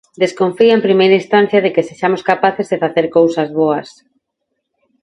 Desconfía en primeira instancia de que sexamos capaces de facer cousas boas.